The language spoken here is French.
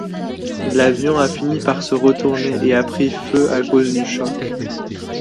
L'avion a fini par se retourner et a pris feu à cause du choc.